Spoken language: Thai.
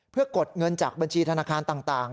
เพื่อกดเงินจากบัญชีธนาคารต่าง